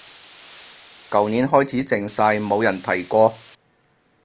舊年開始靜晒冇人提過